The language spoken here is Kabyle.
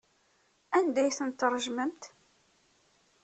Anda ay tent-tṛejmemt?